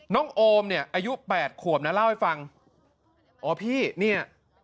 โอมเนี่ยอายุแปดขวบนะเล่าให้ฟังอ๋อพี่เนี่ย